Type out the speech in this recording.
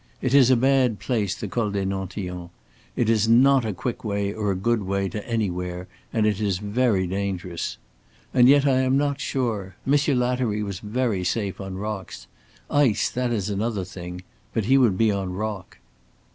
It is a bad place, the Col des Nantillons; it is not a quick way or a good way to anywhere, and it is very dangerous. And yet I am not sure. Monsieur Lattery was very safe on rocks. Ice, that is another thing. But he would be on rock."